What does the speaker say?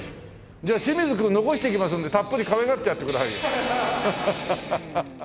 じゃあ清水君残していきますのでたっぷりかわいがってやってくださいよ。